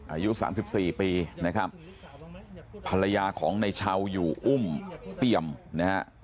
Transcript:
อายุสามสิบสี่ปีนะครับภรรยาของในเช้าอยู่อุ้มเปี่ยมนะฮะ